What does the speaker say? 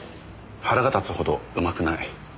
腹が立つほどうまくない。